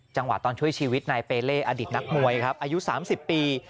จังหวะตอนช่วยชีวิตนายเปเล่อดีตนักมวยครับอายุ๓๐ปี